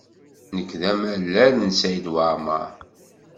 Nekk d amalal n Saɛid Waɛmaṛ.